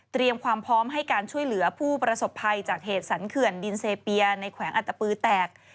ความพร้อมให้การช่วยเหลือผู้ประสบภัยจากเหตุสรรเขื่อนดินเซเปียในแขวงอัตตปือแตก